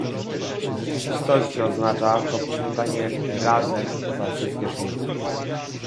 W rzeczywistości oznacza to pociąganie razem za wszystkie sznurki